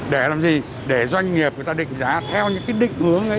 để làm gì để doanh nghiệp người ta định giá theo những cái định hướng ấy